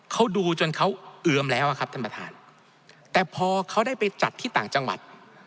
เขาดูจนเขาเอือมแล้วอะครับท่านประธานแต่พอเขาได้ไปจัดที่ต่างจังหวัด